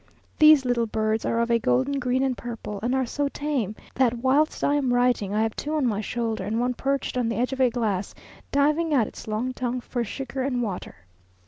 These little birds are of a golden green and purple, and are so tame, that whilst I am writing I have two on my shoulder and one perched on the edge of a glass, diving out its long tongue for sugar and water.